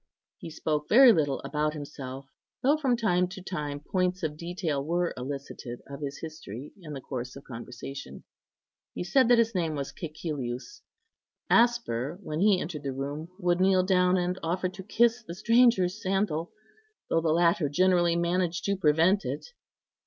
He spoke very little about himself, though from time to time points of detail were elicited of his history in the course of conversation. He said that his name was Cæcilius. Asper, when he entered the room, would kneel down and offer to kiss the stranger's sandal, though the latter generally managed to prevent it.